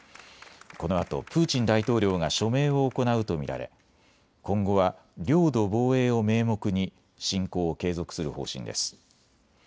このあとプーチン大統領が署名を行うと見られ今後は領土防衛を名目に侵攻を継続する方針です。